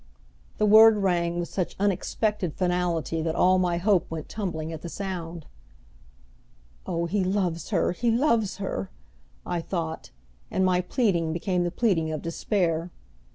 The word rang with such unexpected finality that all my hope went tumbling at the sound. "Oh, he loves her, he loves her!" I thought and my pleading became the pleading of despair.